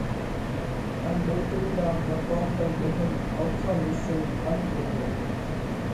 ان ڏوڪرِي را مقوم ڪنَ ٻيهينَ اونکيون مِيشينَ ام ڪيتو: